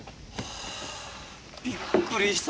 あびっくりした。